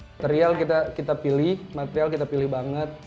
material kita pilih material kita pilih banget